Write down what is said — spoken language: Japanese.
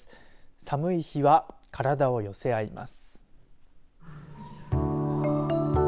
寒い日は、体を寄せ合います。